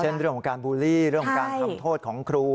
เรื่องของการบูลลี่เรื่องของการทำโทษของครู